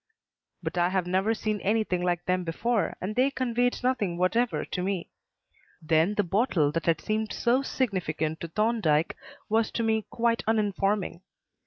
But I had never seen anything like them before and they conveyed nothing whatever to me. Then the bottle that had seemed so significant to Thorndyke was to me quite uninforming.